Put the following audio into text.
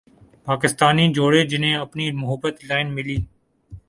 پاکستانی جوڑے جنھیں اپنی محبت لائن ملی